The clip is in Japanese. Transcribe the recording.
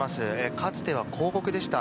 かつては広告でした。